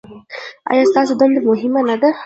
ایا ستاسو دنده مهمه نه ده؟